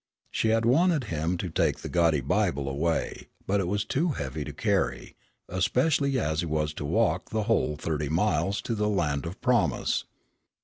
She had wanted him to take the gaudy Bible away, but it was too heavy to carry, especially as he was to walk the whole thirty miles to the land of promise.